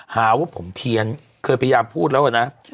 หาว่าผมเพี้ยนเคยพยายามพูดแล้วนะ